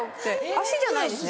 足じゃないんですね。